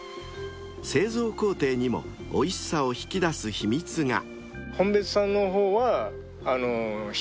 ［製造工程にもおいしさを引き出す秘密が］